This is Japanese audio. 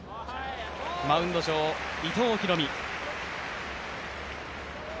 マウンド上、伊藤大海。